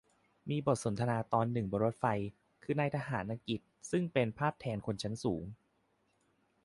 มีบทสนทนาตอนหนึ่งบนรถไฟ คือนายทหารอังกฤษ ซึ่งเป็นภาพแทนคนชั้นสูง